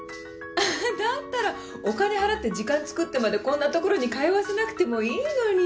だったらお金払って時間つくってまでこんなところに通わせなくてもいいのに。